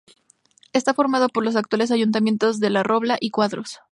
Está formada por los actuales ayuntamientos de La Robla y Cuadros.